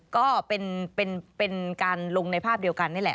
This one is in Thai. ก็เป็นการลงในภาพเดียวกันนี่แหละ